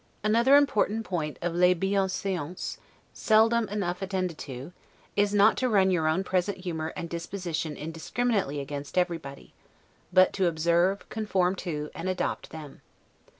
Another important point of 'les bienseances', seldom enough attended to, is, not to run your own present humor and disposition indiscriminately against everybody, but to observe, conform to, and adopt them.